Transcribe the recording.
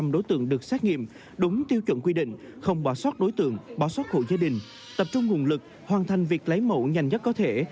năm đối tượng được xét nghiệm đúng tiêu chuẩn quy định không bỏ sót đối tượng bỏ sót hộ gia đình tập trung nguồn lực hoàn thành việc lấy mẫu nhanh nhất có thể